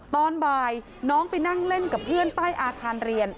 ตอนบ่ายน้องไปนั่งเล่นกับเพื่อนใต้อาคารเรียน